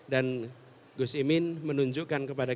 dan gus imin menunjukkan kepada